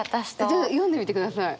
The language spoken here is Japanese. じゃあ読んでみてください。